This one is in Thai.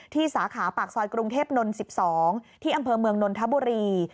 สาขาปากซอยกรุงเทพนนท์๑๒ที่อำเภอเมืองนนทบุรี